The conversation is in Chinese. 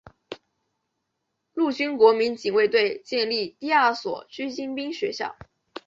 陆军国民警卫队建立第二所狙击兵学校。